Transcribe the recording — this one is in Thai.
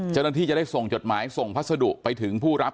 เจ้าหน้าที่จะได้ส่งจดหมายส่งพัสดุไปถึงผู้รับ